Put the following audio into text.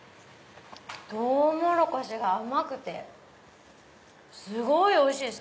トウモロコシが甘くてすごいおいしいです！